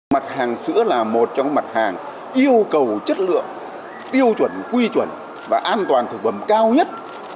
mặt hàng sữa là một trong mặt hàng yêu cầu chất lượng tiêu chuẩn quy chuẩn và an toàn thực phẩm cao nhất